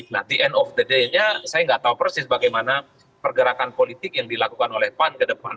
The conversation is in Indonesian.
nah the end of the day nya saya nggak tahu persis bagaimana pergerakan politik yang dilakukan oleh pan ke depan